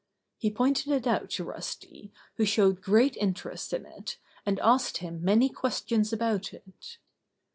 He pointed it out to Rusty, who showed great interest in it, and asked him many questions about it.